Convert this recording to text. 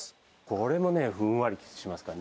これもねふんわりしますからね。